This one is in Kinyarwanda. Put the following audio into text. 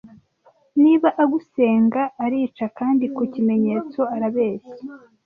niba agusenga arica kandi ku kimenyetso arabeshya